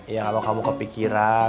ya kalau kamu kepikiran